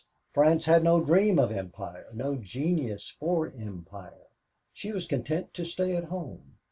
France had no dream of empire, no genius for empire; she was content to stay at home.